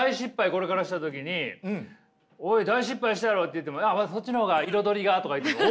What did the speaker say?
これからした時に「おい大失敗したやろ」って言っても「こっちの方が彩りが」とか言って「おい！」